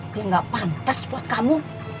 dia gak pantas buat kamu